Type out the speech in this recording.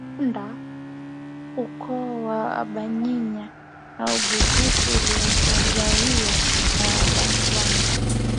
Rwanda ukoo wa abanyiginya na bugufi ilitawaliwa na abaganwa